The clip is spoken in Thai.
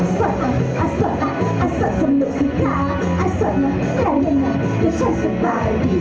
สวัสดีสวัสดีสวัสดีสวัสดีสวัสดี